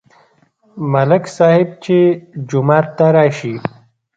ملک صاحب چې جومات ته راشي،